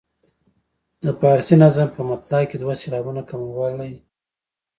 د فارسي نظم په مطلع کې دوه سېلابونه کموالی وینو.